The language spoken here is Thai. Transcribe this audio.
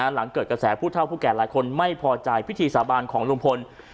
หลังเกิดกระแสผู้เท่าผู้แก่หลายคนไม่พอใจพิธีสาบานของลุงพล